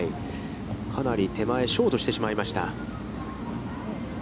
かなり手前、ショートしてしまいました。